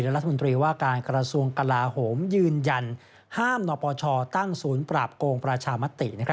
รัฐมนตรีว่าการกระทรวงกลาโหมยืนยันห้ามนปชตั้งศูนย์ปราบโกงประชามติ